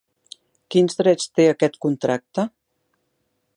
Quins drets té aquest contracte?